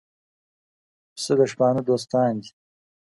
پسه د شپانه دوستان دي.